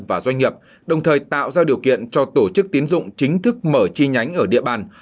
và doanh nghiệp đồng thời tạo ra điều kiện cho tổ chức tiến dụng chính thức mở chi nhánh ở địa bàn